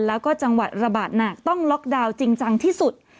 แล้วก็จังหวัดระบาดหนักต้องล็อกดาวน์จริงจังที่สุด